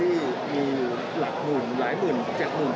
ที่มีหลักหมุนหลายหมุนแจกหมุนคน